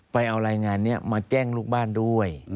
ไปเอารายงานนี้มาแจ้งลูกบ้านด้วย